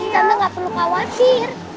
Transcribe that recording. tante gak perlu khawatir